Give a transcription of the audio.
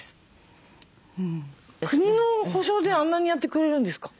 国の保障であんなにやってくれるんですか？